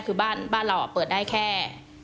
คือบ้านเราเปิดได้แค่